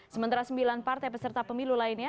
sementara sembilan partai peserta pemilu lainnya